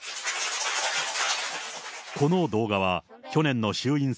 この動画は去年の衆院選